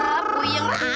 apa yang rambut